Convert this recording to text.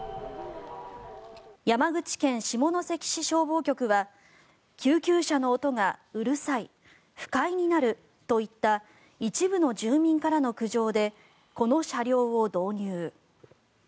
山口県下関市消防局は救急車の音がうるさい不快になるといった一部の住民からの苦情でこの車両を導入。